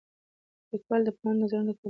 لیکوال د پوهانو نظرونه راټول کړي دي.